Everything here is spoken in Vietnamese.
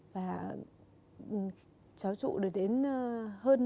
và cháu trụ được đến